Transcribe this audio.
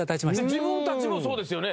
自分たちもそうですよね。